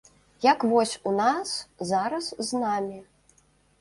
Як вось у нас зараз з намі.